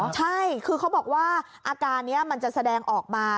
ใช่คือเขาบอกว่าอาการนี้มันจะแสดงออกมา